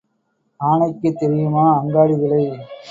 ஆனைக்குத் தெரியுமா அங்காடி விலை?